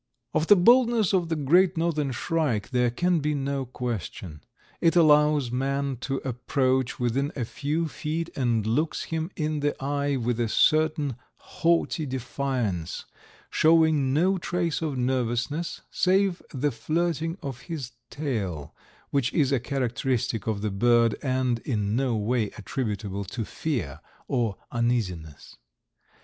Of the boldness of the Great Northern Shrike there can be no question. It allows man to approach within a few feet and looks him in the eye with a certain haughty defiance, showing no trace of nervousness, save the flirting of his tail, which is a characteristic of the bird and in no way attributable to fear or uneasiness.